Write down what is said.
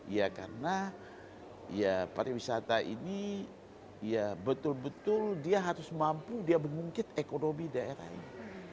ya karena pariwisata ini ya betul betul dia harus mampu dia mengungkit ekonomi daerah ini